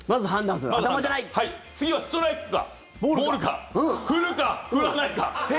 次はストライクかボールか振るか振らないか。